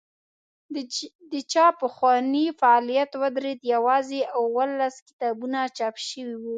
د چاپخونې فعالیت ودرېد یوازې اوولس کتابونه چاپ شوي وو.